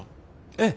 ええ。